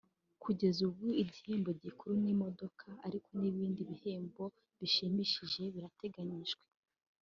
Kugeza ubu igihembo gikuru ni imodoka ariko n’ibindi bihembo bishimishije birateganyijwe